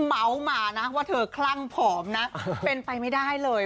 เมาส์มานะว่าเธอคลั่งผอมนะเป็นไปไม่ได้เลย